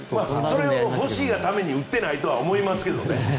それを欲しいがために打っていないと思いますけどね。